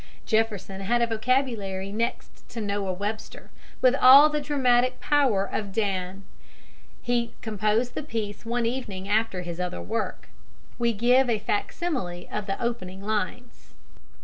Jefferson had a vocabulary next to Noah Webster, with all the dramatic power of Dan. He composed the piece one evening after his other work. We give a facsimile of the opening lines.